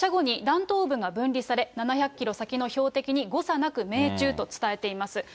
発射後に弾頭部が分離され、７００キロ先の標的に誤差なく命中と伝えています。